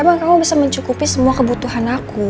kenapa kamu bisa mencukupi semua kebutuhan aku